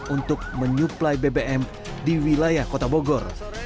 untuk menyuplai bbm di wilayah kota bogor